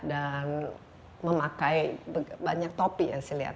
dan memakai banyak topi ya